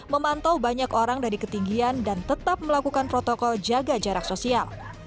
memantau banyak orang dari ketinggian dan tetap melakukan protokol jaga jarak sosial